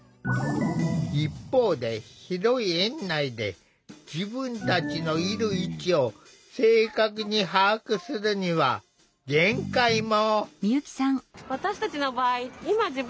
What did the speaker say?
一方で広い園内で自分たちのいる位置を正確に把握するには限界も。